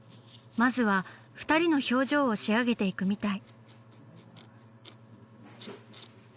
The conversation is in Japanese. まずは２人の表情を仕上げていくみたい。